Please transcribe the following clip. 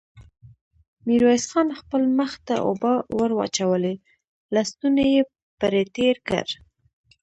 ميرويس خان خپل مخ ته اوبه ور واچولې، لستوڼۍ يې پرې تېر کړ.